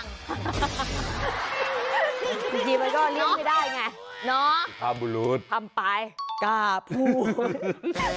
สักทีมันก็เลี่ยงไม่ได้ไงเนาะพัมปายกล้าพูด